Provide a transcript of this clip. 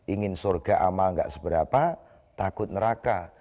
ingin surga amal nggak seberapa takut neraka